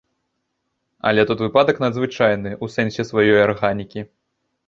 Але тут выпадак надзвычайны ў сэнсе сваёй арганікі.